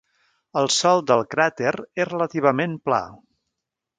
El sòl del cràter és relativament pla.